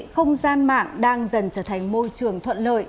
không gian mạng đang dần trở thành môi trường thuận lợi